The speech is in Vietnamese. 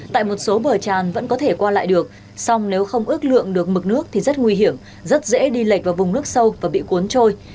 tại một số bờ tràn vẫn có thể qua lại được song nếu không ước lượng được mực nước thì rất nguy hiểm rất dễ đi lệch vào vùng nước sâu và bị cuốn trôi